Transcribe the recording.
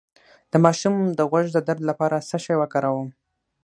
د ماشوم د غوږ د درد لپاره څه شی وکاروم؟